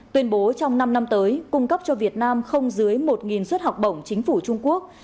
tuyên bố trong năm năm tới cung cấp cho việt nam không dưới một suất học bổng chính phủ trung quốc